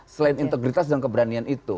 selain integritas dan keberanian itu